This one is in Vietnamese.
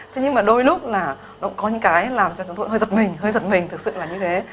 thế nhưng mà đôi lúc là nó cũng có những cái làm cho chúng tôi hơi giật mình hơi giật mình thực sự là như thế